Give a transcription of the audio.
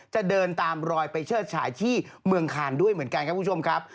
จะเดินตามรอยไปเชิดฉายที่เมืองคานด้วยเหมือนกันครับ